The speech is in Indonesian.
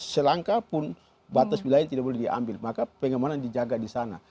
selangkah pun batas wilayah tidak boleh diambil maka pengamanan dijaga di sana